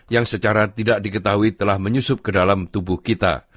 yang secara tidak diketahui telah menyusup ke dalam tubuh kita